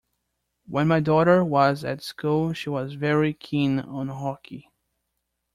When my daughter was at school she was very keen on hockey